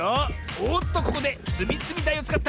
おっとここでつみつみだいをつかった！